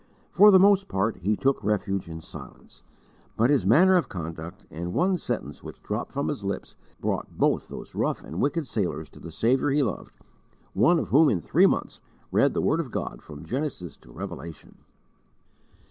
For the most part he took refuge in silence; but his manner of conduct, and one sentence which dropped from his lips, brought both those rough and wicked sailors to the Saviour he loved, one of whom in three months read the word of God from Genesis to Revelation.